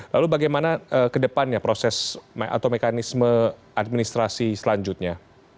lalu bagaimana ke depannya proses atau mekanisme administrasi selanjutnya